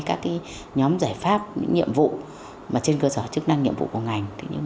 các nhóm giải pháp những nhiệm vụ trên cơ sở chức năng nhiệm vụ của ngành